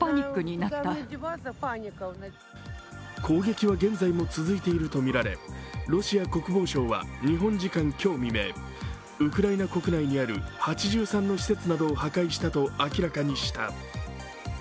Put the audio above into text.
攻撃は現在も続いているとみられ、ロシア国防省は日本時間今日未明、ウクライナ国内にある８３の施設などを破壊したと明らかにした。